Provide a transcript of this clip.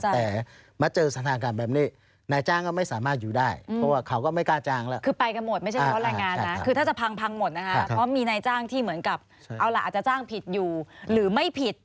แต่มาเจอสถานการณ์แบบนี้